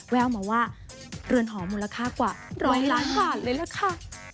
แววมาว่าเรือนหอมูลค่ากว่าร้อยล้านบาทเลยล่ะค่ะ